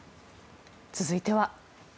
続いては。